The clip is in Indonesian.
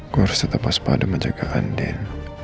gue harus tetap pas pada menjaga andin